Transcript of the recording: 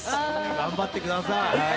頑張ってください。